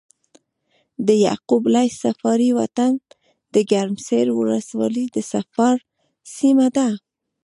د يعقوب ليث صفاري وطن د ګرمسېر ولسوالي د صفار سيمه ده۔